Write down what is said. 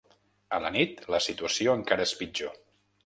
A la nit, la situació encara és pitjor.